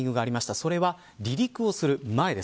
それは離陸をする前です。